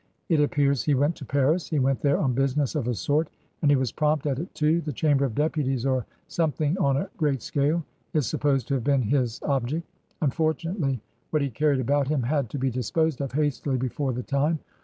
It appears he went to Paris. He went there on business — of a sort. And he was prompt at it, too. The Chamber of Deputies or some thing on a great scale is supposed to have been his ob ject. Unfortunately, what he carried about him had to be disposed of hastily before the time.